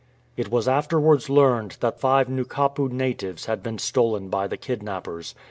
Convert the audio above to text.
It was afterwards learned that five Nukapu natives had been stolen by the kidnappers.